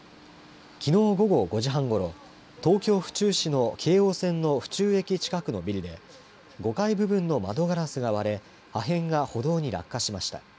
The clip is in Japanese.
きのう午後５時半ごろ東京、府中市の京王線の府中駅近くのビルで５階部分の窓ガラスが割れ破片が歩道に落下しました。